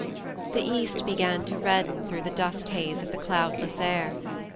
The east began to redden through the dust haze of the cloudless air.